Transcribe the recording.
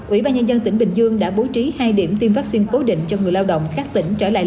ủy ban nhân dân tỉnh bình dương đã bố trí hai điểm tiêm vaccine cố định cho người lao động khắc tỉnh trở lại làm việc